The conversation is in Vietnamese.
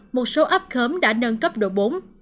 một số ấp khớm đã nâng cấp độ bốn